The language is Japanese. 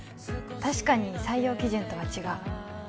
確かに採用基準とは違う